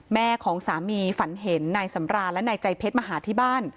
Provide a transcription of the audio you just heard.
แม่ของสามีฝันเห็นในสำราญในใจเผ็ดมหาที่บ้าน